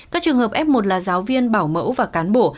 các trường hợp f một là giáo viên bảo mẫu và cán bộ